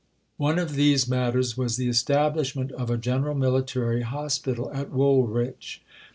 One of these matters was the establishment of a General Military Hospital at Woolwich.